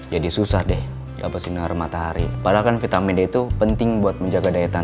jadi susah deh dapet sinar matahari padahal kan vitamin d itu penting buat menjaga daya tahan